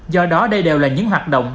do đó đây đều là những hoạt động